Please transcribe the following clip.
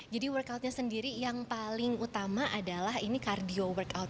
jadi work outnya sendiri yang paling utama adalah ini cardio work out